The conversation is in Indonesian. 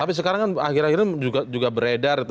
tapi sekarang kan akhir akhirnya juga beredar gitu